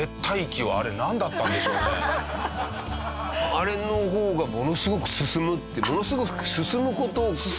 あれの方がものすごく進むってものすごく進む事を。